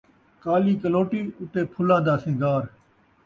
کالی کلوٹی اُتے پھلّاں دا سن٘گار